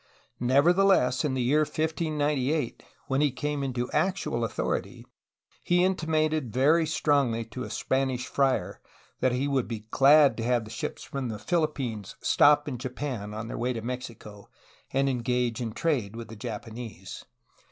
Nevertheless, in the year 1598, when he came into actual authority, he intimated very strongly to a Spanish friar that he would be glad to have the ships from the Philippines stop in Japan on their way to Mexico and engage in trade with the Japanese.